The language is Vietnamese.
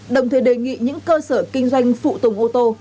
đồng thời đề nghị những cơ sở kinh doanh phụ tùng ô tô